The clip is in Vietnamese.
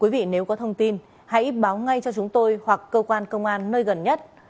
quý vị nếu có thông tin hãy báo ngay cho chúng tôi hoặc cơ quan công an nơi gần nhất